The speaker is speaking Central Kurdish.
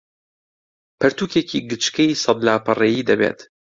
پەرتووکێکی گچکەی سەد لاپەڕەیی دەبێت